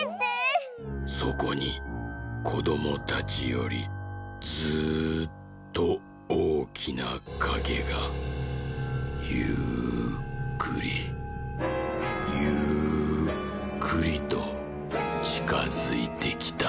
「そこにこどもたちよりずっとおおきなかげがゆっくりゆっくりとちかづいてきた」。